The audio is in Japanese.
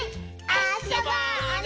あそぼうね！